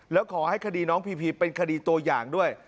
แล้วขอให้คดีน้องพีพีเป็นคดีตัวอย่างด้วย